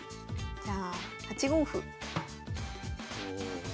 じゃあ８五歩。